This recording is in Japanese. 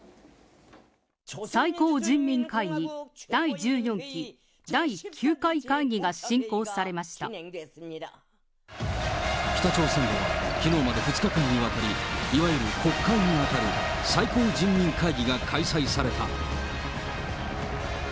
最高人民会議第１４期、北朝鮮できのうまで２日間にわたり、いわゆる国会に当たる最高人民会議が開催された。